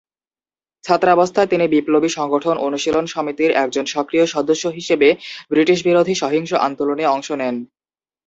ছাত্রাবস্থায় তিনি বিপ্লবী সংগঠন অনুশীলন সমিতির একজন সক্রিয় সদস্য হিসেবে ব্রিটিশবিরোধী সহিংস আন্দোলনে অংশ নেন।